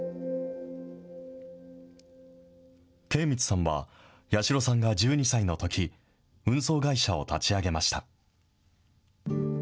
敬光さんは、八代さんが１２歳のとき、運送会社を立ち上げました。